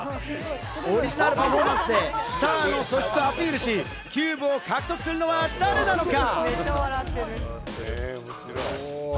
オリジナルパフォーマンスでスターの素質をアピールし、キューブを獲得するのは誰なのか？